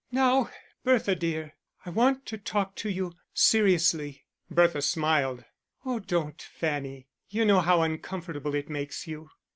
"Now, Bertha dear, I want to talk to you seriously." Bertha smiled. "Oh don't, Fanny; you know how uncomfortable it makes you."